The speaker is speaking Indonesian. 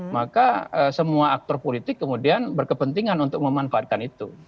maka semua aktor politik kemudian berkepentingan untuk memanfaatkan itu